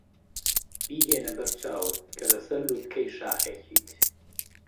بهێنە بەرچاوت کە لەسەر لووتکەی شاخێکیت.